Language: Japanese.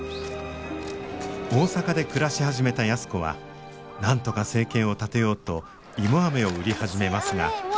大阪で暮らし始めた安子はなんとか生計を立てようと芋アメを売り始めますが。